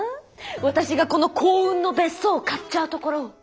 私がこの幸運の別荘を買っちゃうところを。